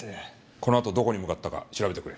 このあとどこに向かったか調べてくれ。